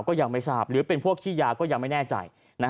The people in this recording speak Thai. ก็ยังไม่ทราบหรือเป็นพวกขี้ยาก็ยังไม่แน่ใจ